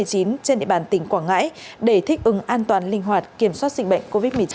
trên địa bàn tỉnh quảng ngãi để thích ứng an toàn linh hoạt kiểm soát dịch bệnh covid một mươi chín